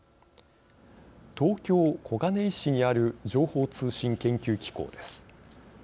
東京・小金井市にある情報通信研究機構です。